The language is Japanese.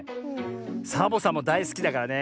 サボさんもだいすきだからね